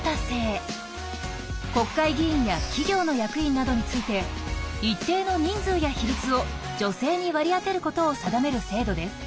国会議員や企業の役員などについて一定の人数や比率を女性に割り当てることを定める制度です。